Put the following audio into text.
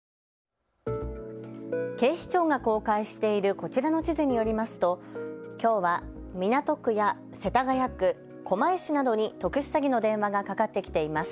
警視庁が公開しているこちらの地図によりますときょうは港区や世田谷区、狛江市などに特殊詐欺の電話がかかってきています。